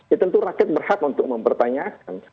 ya tentu rakyat berhak untuk mempertanyakan